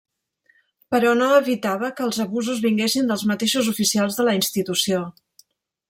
Però no evitava que els abusos vinguessin dels mateixos oficials de la institució.